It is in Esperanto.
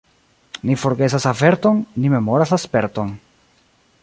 Ni forgesas averton, ni memoras la sperton.